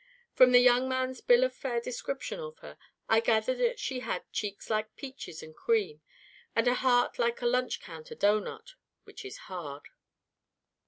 From the young man's bill of fare description of her, I gathered that she had cheeks like peaches and cream, but a heart like a lunch counter doughnut, which is hard.